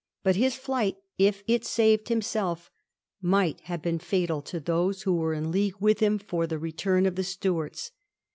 But his flight, if it saved himself, might have been fatal to those who were in league with him for the return of the Stuarts.